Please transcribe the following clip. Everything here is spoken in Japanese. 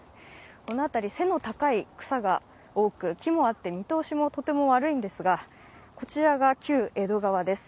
この辺り、背の高い草が多く木もあって見通しもとても悪いんですが、こちらが旧江戸川です。